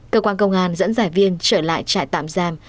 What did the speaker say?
cơ quan công an dẫn giải viên trở lại trại tạm giam